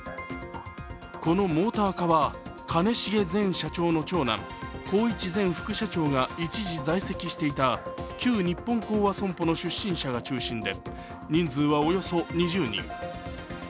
このモーター課は兼重前社長の長男宏一前副社長が一時、在籍していた旧日本興亜損保の出身者が中心で、人数はおよそ２０人。